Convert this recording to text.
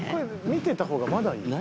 見てた方がまだいい。